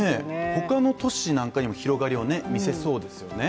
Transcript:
他の都市なんかにも広がりを見せそうですよね